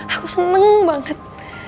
aku seneng banget